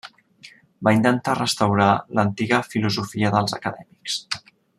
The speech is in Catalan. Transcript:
Va intentar restaurar l'antiga filosofia dels acadèmics.